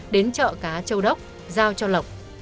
đến chợ cá châu đốc giao cho lộc